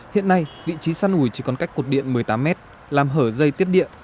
hiện nay vị trí săn ủi chỉ còn cách cột điện một mươi tám mét làm hở dây tiết điện